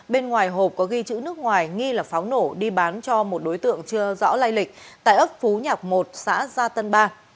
bên ngoài hộp có ghi chữ nước ngoài nghi là pháo nổ đi bán cho một đối tượng chưa rõ lai lịch tại ấp phú nhạc một xã gia tân ba